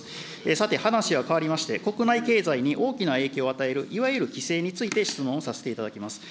さて話は変わりまして、国内経済に大きな影響を与える、いわゆる規制について質問をさせていただきます。